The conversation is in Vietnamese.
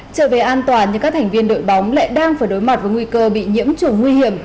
trở về an toàn nhưng các thành viên đội bóng lại đang phải đối mặt với nguy cơ bị nhiễm trùng nguy hiểm